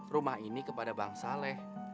rumah ini kepada bang saleh